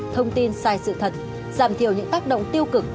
thông tin sai sự thật giảm thiểu những tác động tiêu cực